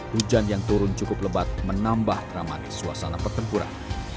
hujan yang turun cukup lebat menambah ramai suasana pertempuran